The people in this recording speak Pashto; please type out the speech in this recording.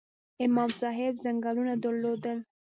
امام صاحب ځنګلونه درلودل؟